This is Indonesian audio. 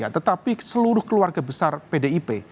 tetapi seluruh keluarga besar pdip